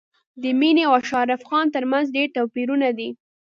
د مينې او اشرف خان تر منځ ډېر توپیرونه دي